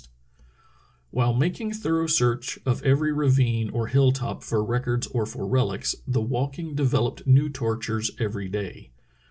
Schwatka's Summer Search 321 While making thorough search of every ravine or hill top for records or for relics, "The walking devel oped new tortures every day.